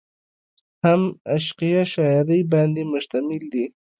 هم عشقيه شاعرۍ باندې مشتمل دي ۔